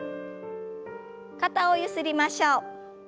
肩をゆすりましょう。